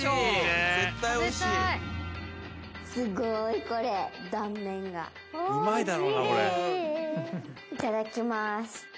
いただきまーす。